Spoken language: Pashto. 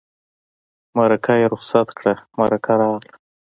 مرکه یې رخصت کړه مرکه راغله.